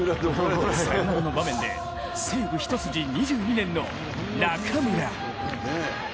サヨナラの場面で西武一筋２２年の中村。